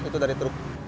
itu dari truk